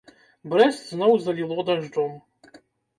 Брэст зноў заліло дажджом.